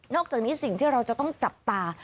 อกจากนี้สิ่งที่เราจะต้องจับตา